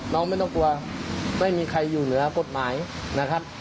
ไม่ต้องกลัวไม่มีใครอยู่เหนือกฎหมายนะครับ